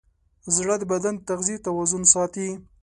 زړه د بدن د تغذیې توازن ساتي.